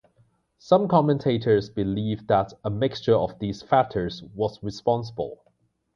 Some commentators believe that a mixture of these factors was responsible.